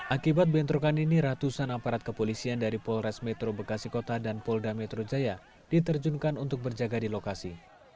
akibat bentrokan ini ratusan aparat kepolisian dari polres metro bekasi kota dan polda metro jaya diterjunkan untuk berjaga di lokasi